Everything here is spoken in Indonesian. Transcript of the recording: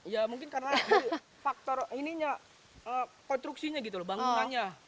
ya mungkin karena faktor ini konstruksinya gitu bangunannya